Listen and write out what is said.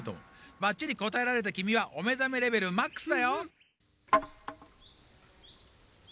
ばっちりこたえられたきみはおめざめレベルマックスだよ！